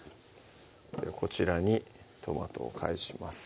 こちらにトマトを返します